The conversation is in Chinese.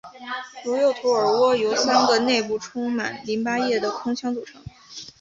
如右图耳蜗由三个内部充满淋巴液的空腔组成。